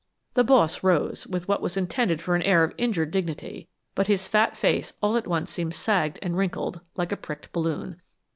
The Boss rose, with what was intended for an air of injured dignity, but his fat face all at once seemed sagged and wrinkled, like a pricked balloon.